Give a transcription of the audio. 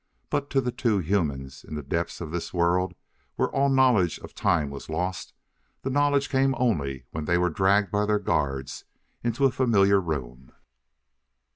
But to the two humans, in the depths of this world where all knowledge of time was lost, the knowledge came only when they were dragged by their guards into a familiar room.